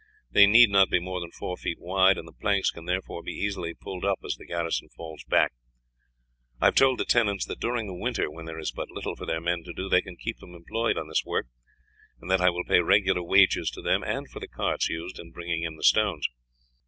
They need not be more than four feet wide, and the planks can therefore be easily pulled up as the garrison falls back. I have told the tenants that during the winter, when there is but little for their men to do, they can keep them employed on this work, and that I will pay regular wages to them and for the carts used in bringing in the stones."